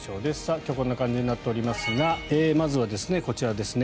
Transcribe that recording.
今日はこんな感じになっておりますがまずはこちらですね。